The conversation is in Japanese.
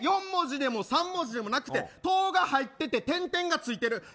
４文字でも３文字でもなくて「ト」が入ってて点々がついてる。